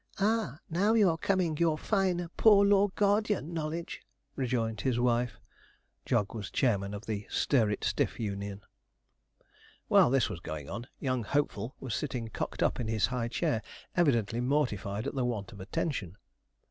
'Ah, now you're coming your fine poor law guardian knowledge,' rejoined his wife. Jog was chairman of the Stir it stiff Union. While this was going on, young hopeful was sitting cocked up in his high chair, evidently mortified at the want of attention.